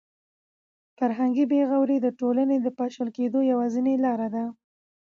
فرهنګي بې غوري د ټولنې د پاشل کېدو یوازینۍ لاره ده.